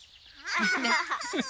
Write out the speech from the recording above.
アハハハ！